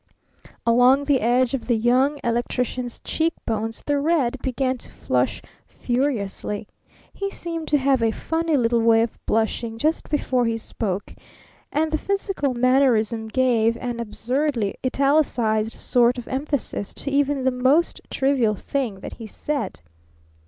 Along the edge of the Young Electrician's cheek bones the red began to flush furiously. He seemed to have a funny little way of blushing just before he spoke, and the physical mannerism gave an absurdly italicized sort of emphasis to even the most trivial thing that he said.